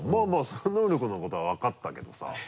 その能力のことは分かったけどさ。